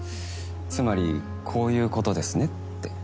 つまりこういうことですねって。